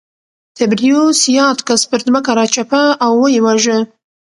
تبریوس یاد کس پر ځمکه راچپه او ویې واژه